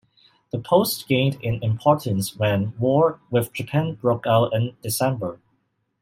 The post gained in importance when war with Japan broke out in December.